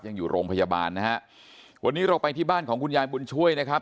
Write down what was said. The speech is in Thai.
ยังอยู่โรงพยาบาลนะฮะวันนี้เราไปที่บ้านของคุณยายบุญช่วยนะครับ